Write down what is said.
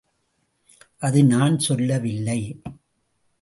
அது நான் சொல்லவில்லை.